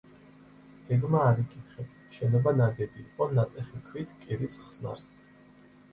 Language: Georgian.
გეგმა არ იკითხება, შენობა ნაგები იყო ნატეხი ქვით კირის ხსნარზე.